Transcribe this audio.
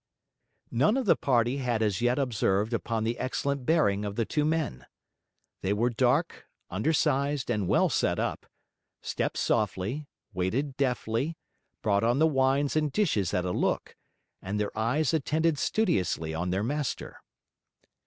None of the party had as yet observed upon the excellent bearing of the two men. They were dark, undersized, and well set up; stepped softly, waited deftly, brought on the wines and dishes at a look, and their eyes attended studiously on their master.